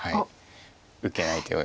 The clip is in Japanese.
受けない手を。